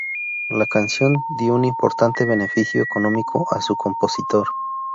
La canción dio un importante beneficio económico a su compositor.